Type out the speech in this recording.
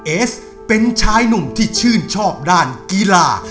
เอสเป็นชายหนุ่มที่ชื่นชอบด้านกีฬา